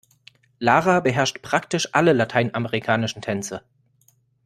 Lara beherrscht praktisch alle lateinamerikanischen Tänze.